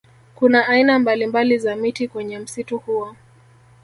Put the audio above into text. Kuna aina mbalimbali za miti kwenye msitu huo